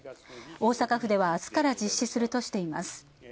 大阪府では、あすから実施するとしています。